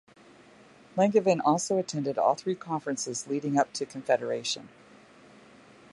Langevin also attended all three conferences leading up to Confederation.